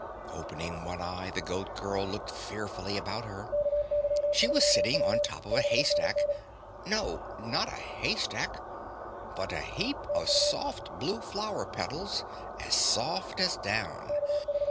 Opening one eye, the Goat Girl looked fearfully about her. She was sitting on top of a haystack, no, not a haystack, but a heap of soft blue flower petals as soft as down.